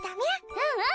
うんうん！